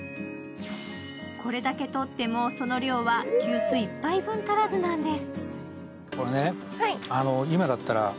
これだけとってもその量は急須１杯分足らずなんです。